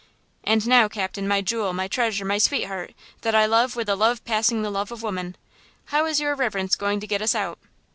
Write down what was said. "And now, captain, my jewel, my treasure, my sweetheart–that I love with 'a love passing the love of woman'–how is your reverence going to get us out?"